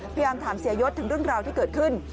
พยายามถามเสียยศถึงเรื่องราวที่เกิดขึ้น